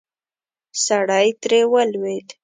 سړی ترې ولوېد.